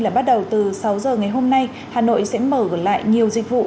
là bắt đầu từ sáu giờ ngày hôm nay hà nội sẽ mở lại nhiều dịch vụ